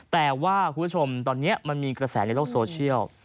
แต่ว่าคุณผู้ชมตอนนี้มันมีกระแสในโลกโซเชียล